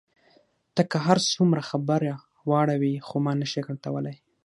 ته که هر څومره خبره واړوې، خو ما نه شې غلتولای.